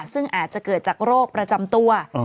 ซึ่งอาจจะเกิดจากโรคประจำตัว